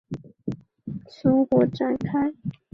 故事就是发生于肖恩的上班以及家庭生活展开。